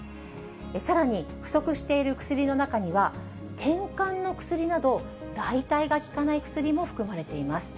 さらに、不足している薬の中には、てんかんの薬など、代替がきかない薬も含まれています。